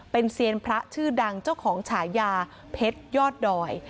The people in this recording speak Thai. เป็นเซียนพระชื่อดังเจ้าของฉายาเพชรยอดดอย